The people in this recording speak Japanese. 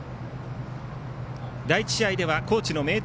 第１試合では高知の明徳